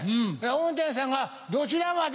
運転手さんが「どちらまで？」